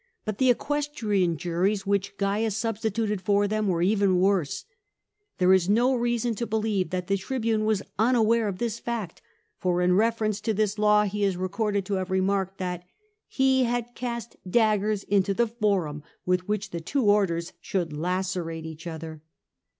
But the equestrian juries which Cains sub stituted for them were even worse : there is no reason to believe that the tribune was unaware of this fact, for in reference to this law he is recorded to have remarked that ''he had cast daggers into the Forum with which the two orders should lacerate each other."